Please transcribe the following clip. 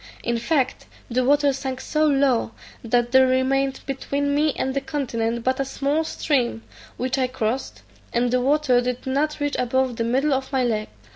In fact, the water sunk so low, that there remained between me and the continent but a small stream, which I crossed, and the water did not reach above the middle of my leg.